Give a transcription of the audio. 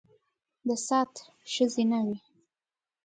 د سعد ښځې نه وې.